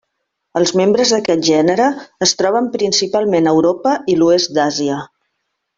Els membres d'aquest gènere es troben principalment a Europa i l'oest d'Àsia.